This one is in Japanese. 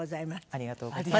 ありがとうございます。